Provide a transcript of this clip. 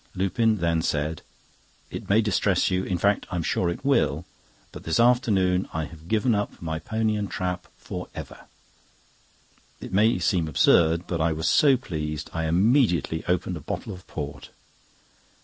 Lupin then said: "It may distress you—in fact, I'm sure it will—but this afternoon I have given up my pony and trap for ever." It may seem absurd, but I was so pleased, I immediately opened a bottle of port.